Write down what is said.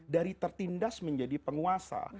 dari tertindas menjadi penguasa